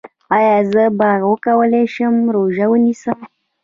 ایا زه به وکولی شم روژه ونیسم؟